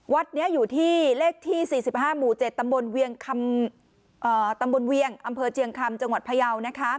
วัดนี้อยู่ที่เลขที่๔๕หมู่๗ตำบลเวียงอำเภอเจียงคำจังหวัดพะเยาว์